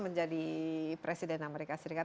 menjadi presiden amerika serikat